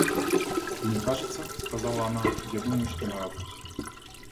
– Мне кажется, – сказала она, – я думаю, что нравлюсь.